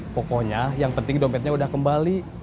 pokoknya yang penting dompetnya udah kembali